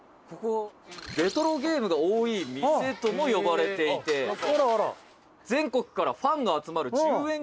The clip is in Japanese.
レトロゲームが多い店とも呼ばれていて全国からファンが集まる１０円